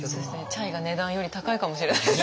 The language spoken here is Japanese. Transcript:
チャイが値段より高いかもしれない。